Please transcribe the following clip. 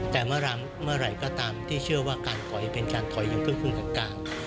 แต่เมื่อไหร่ก็ตามที่เชื่อว่าการถอยเป็นการถอยอยู่เครื่องคุมต่าง